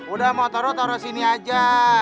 udah motoro taro sini aja